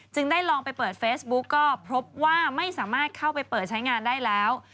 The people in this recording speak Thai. ได้ลองไปเปิดเฟซบุ๊กก็พบว่าไม่สามารถเข้าไปเปิดใช้งานได้แล้ว